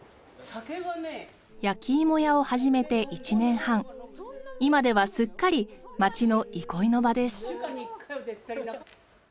焼き芋屋を始めて１年半今ではすっかり町の憩いの場です。